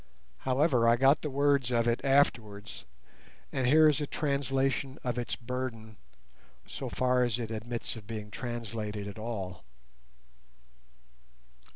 However, I got the words of it afterwards, and here is a translation of its burden, so far as it admits of being translated at all.